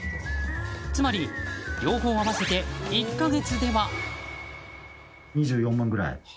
つまり、両方合わせて１か月では。